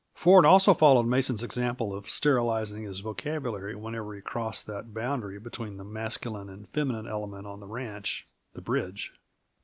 Ford also followed Mason's example in sterilizing his vocabulary whenever he crossed that boundary between the masculine and feminine element on the ranch, the bridge.